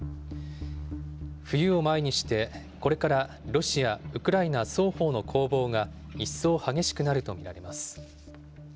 冬を前にして、これからロシア、ウクライナ双方の攻防が一層激しくなると見られます。